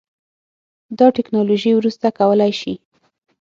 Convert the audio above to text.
دا ټیکنالوژي وروسته کولی شي